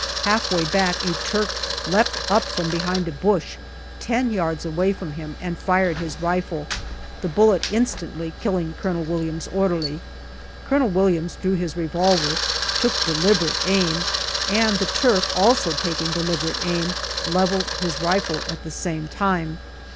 Half way back a Turk leapt up from behind a bush, ten yards away from him, and fired his rifle, the bullet instantly killing Colonel Williams's orderly. Colonel Williams drew his revolver, took deliberate aim, and the Turk, also taking deliberate aim, levelled his rifle at the same time.